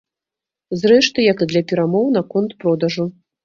Зрэшты, як і для перамоў наконт продажу.